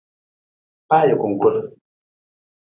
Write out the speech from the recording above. Pa ajungkur!